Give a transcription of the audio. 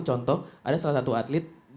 contoh ada salah satu atlet